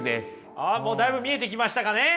ああもうだいぶ見えてきましたかね。